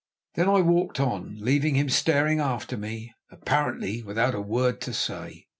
Then I walked on, leaving him staring after me, apparently without a word to say.